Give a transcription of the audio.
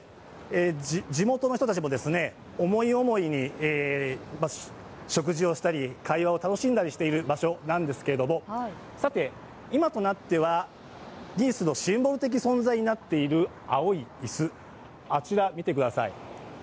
地元の人たちも、思い思いに食事をしたり、会話を楽しんだりしている場所なんですが、さて、今となってはニースのシンボル的存在になっている青い椅子あちら、見てください。